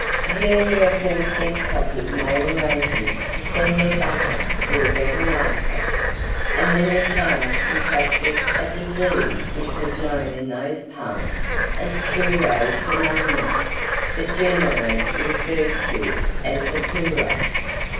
He and the aforesaid cocky made arrangements to send their butter to a better market; and then the cows contracted a disease which was known in those parts as "plooro permoanyer," but generally referred to as "th' ploorer."